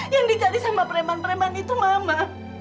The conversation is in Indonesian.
yang dicari sama preman preman itu mama